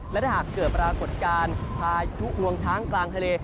และถ้าหากเกิดปรากฏการณ์พายุงวงช้างกลางทะเล